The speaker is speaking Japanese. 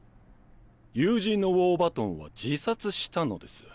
友人のウォーバトンは自殺したのです。